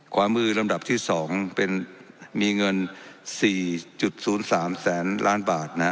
ขวามือลำดับที่สองเป็นมีเงินสี่จุดศูนย์สามแสนล้านบาทนะฮะ